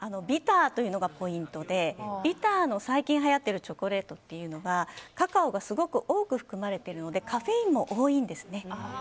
ビターというのがポイントでビターの、最近はやっているチョコレートはカカオがすごく多く含まれているのでカフェインも多いんです。